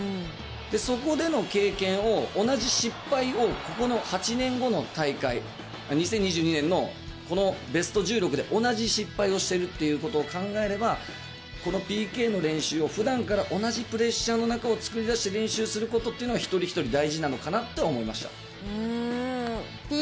そこでの経験を、同じ失敗をここの８年後の大会、２０２２年のこのベスト１６で、同じ失敗をしてるということを考えれば、このＰＫの練習をふだんから同じプレッシャーの中を作り出して練習することというのは、一人一人大事なのかなとは思いました。